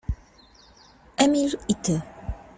Emil i ty.